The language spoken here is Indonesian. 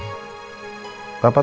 papa tau kamu marah